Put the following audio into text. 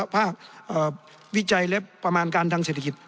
วิจัยและประมาณการทางเศรษฐกิจ